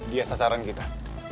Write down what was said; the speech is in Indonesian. dia sasaran kita